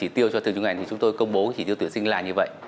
điều cho từng chuyên ngành thì chúng tôi công bố chỉ tiêu tuyển sinh là như vậy